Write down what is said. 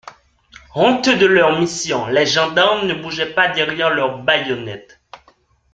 Honteux de leur mission, les gendarmes ne bougeaient pas derrière leurs baïonnettes.